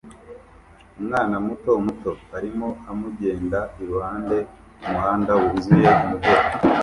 umwana muto muto arimo amugenda iruhande kumuhanda wuzuye imvura.